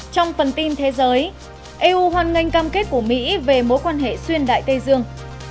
trong phần tin thế giới eu hoan nghênh cam kết của mỹ về mối quan hệ xuyên đại tây dương